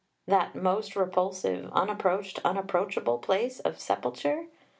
that most repulsive, unapproached, unapproachable place of sepulture?